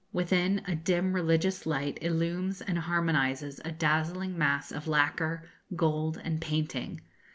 Within, a dim religious light illumines and harmonises a dazzling mass of lacquer, gold, and painting.